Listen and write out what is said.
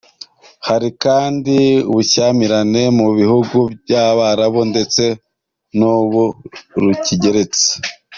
Hari kandi ubushyamirane mu bihugu by’Abarabu ndetse n’ubu rukigeretse.